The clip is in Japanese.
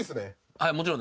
はいもちろんです。